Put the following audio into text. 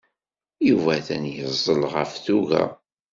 Yuba atan yeẓẓel ɣef tuga.